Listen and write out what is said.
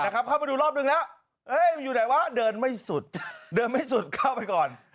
เข้าไปดูรอบนึงแล้วอยู่ไหนวะเดินไม่สุดเดินไม่สุดเข้าไปก่อน